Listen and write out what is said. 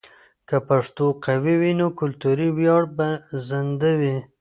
که پښتو قوي وي، نو کلتوري ویاړ به زنده وي.